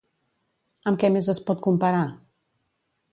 Amb què més es pot comparar?